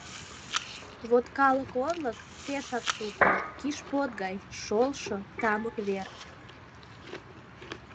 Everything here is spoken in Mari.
Вот калык орлык — пешак сутло — киш под гай — шолшо — тамык вер.